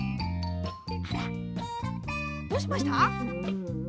あらどうしました？